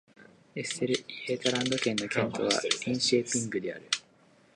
エステルイェータランド県の県都はリンシェーピングである